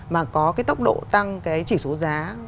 mà có cái tốc độ tăng cái chỉ số giá